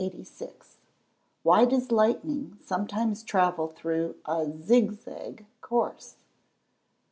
CHAPTER XXVIII. 586. _Why does lightning sometimes travel through a "zigzag" course?